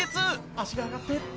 足が上がって。